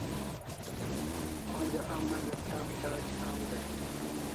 Onja a mai laptop charge kam dai